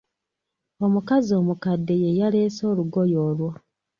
Omukazi omukadde ye yaleese olugoye olwo.